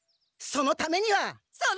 そのためには？